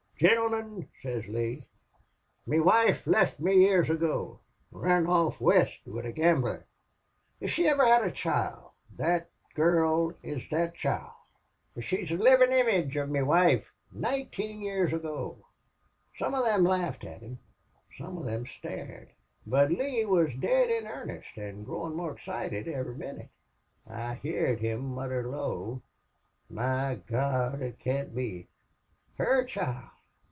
"'Gintlemen,' sez Lee, 'me wife left me years ago ran off West wid a gambler. If she iver hed a child thot gurl is thot child. Fer she's the livin' image of me wife nineteen years ago!' "Some of thim laughed at him some of thim stared. But Lee wuz dead in earnest an' growin' more excited ivery min nit. I heerd him mutter low: 'My Gawd! it can't be! Her child!...